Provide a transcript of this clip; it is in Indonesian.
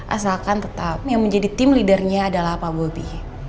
asalkan tetap yang menjadi tim leadernya adalah pak bobi